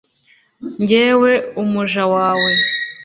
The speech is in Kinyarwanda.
jyewe umuja wawe